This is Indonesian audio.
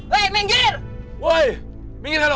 woi minggir woi minggir halo